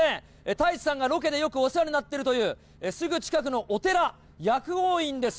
太一さんがよくロケでお世話になっているという、すぐ近くのお寺、薬王院です。